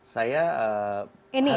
saya hari itu juga